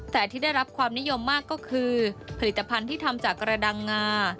แต่ที่ได้รับความนิยมมากก็คือผลิตภัณฑ์ที่ทำจากกระดังงา